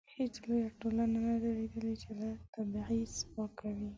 هیڅ لویه ټولنه نه ده لیدلې چې له تبعیض پاکه وي.